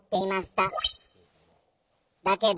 「だけど」